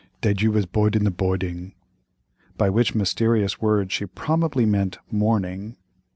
"Thed you was bord id the bording," by which mysterious word she probably meant, "morning."